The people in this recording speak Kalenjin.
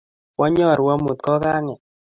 konya ru amu kokanget